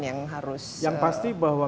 yang harus yang pasti bahwa